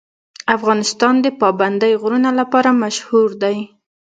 افغانستان د پابندی غرونه لپاره مشهور دی.